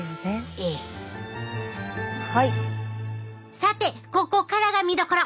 さてここからが見どころ！